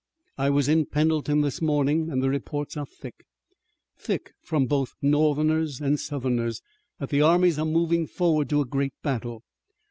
"I was in Pendleton this morning, and the reports are thick; thick from both Northerners and Southerners, that the armies are moving forward to a great battle.